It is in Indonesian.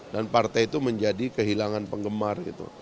dan partai itu menjadi kehilangan penggemar